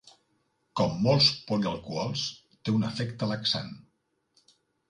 Com molts polialcohols té un efecte laxant.